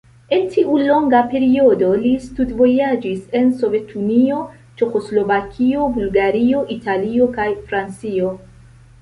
En tiu longa periodo li studvojaĝis en Sovetunio, Ĉeĥoslovakio, Bulgario, Italio kaj Francio.